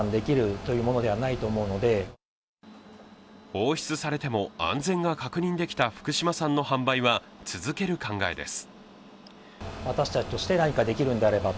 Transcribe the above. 放出されても安全が確認できた福島産の販売は続ける考えです。